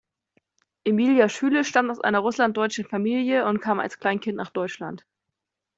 Emilia Schüle stammt aus einer russlanddeutschen Familie und kam als Kleinkind nach Deutschland.